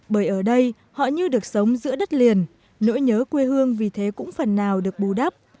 bởi ở đây họ như được sống giữa đất liền nỗi nhớ quê hương vì thế cũng phần nào được bù đắp